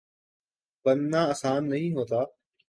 بننا آسان نہیں ہوتا